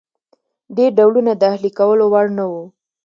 ډېر ډولونه د اهلي کولو وړ نه وو.